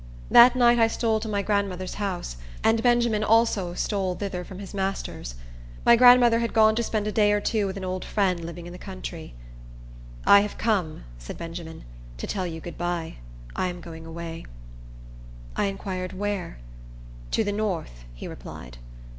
That night I stole to my grandmother's house; and Benjamin also stole thither from his master's. My grandmother had gone to spend a day or two with an old friend living in the country. "I have come," said Benjamin, "to tell you good by. I am going away." I inquired where. "To the north," he replied.